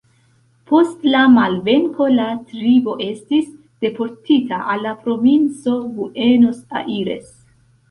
Post la malvenko la tribo estis deportita al la provinco Buenos Aires.